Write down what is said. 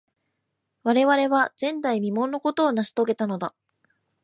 我々は、前代未聞のことを成し遂げたのだ。